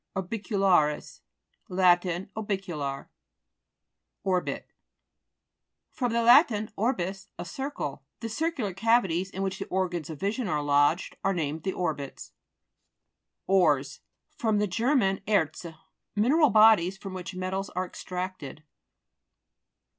ORBICULA'RIS Lat. Orbicular. ORBIT fr. lat. orbis, a circle. The circular cavities in which the or gans of vision are lodged, are named the orbits. ORES fr. ger. erzc. Mineral bodies from which metals are extracted.